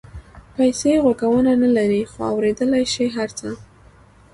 پیسې غوږونه نه لري خو اورېدلای شي هر څه.